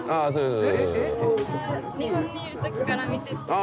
あ